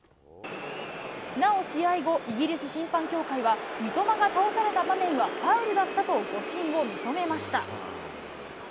なお試合後、イギリス審判協会は、三笘が倒された場面はファウルだったと誤審を認めました。